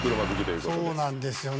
そうなんですよね。